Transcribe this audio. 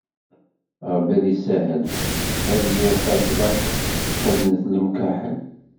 Ṛebbi ad isahel, ad zwiɣ tacḍaṭ xeznet lemkaḥel.